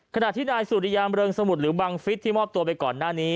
ขณะที่นายสุริยามเริงสมุทรหรือบังฟิศที่มอบตัวไปก่อนหน้านี้